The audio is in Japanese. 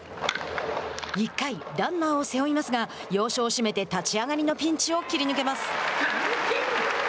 １回、ランナーを背負いますが要所を締めて立ち上がりのピンチを切り抜けます。